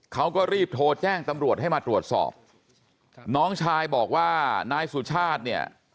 เขาก็รีบโทรแจ้งตำรวจให้มาตรวจสอบน้องชายบอกว่านายสุชาติเนี่ย